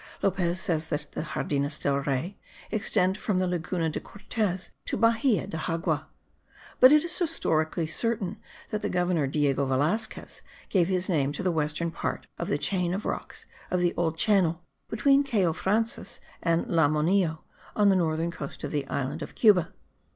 Lopez says that the Jardines del Rey extend from the Laguna de Cortez to Bahia de Xagua; but it is historically certain that the governor Diego Velasquez gave his name to the western part of the chain of rocks of the Old Channel, between Cayo Frances and Le Monillo, on the northern coast of the island of Cuba.